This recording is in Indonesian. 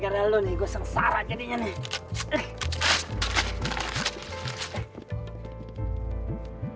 gara dua lo nih gua sengsara jadinya nih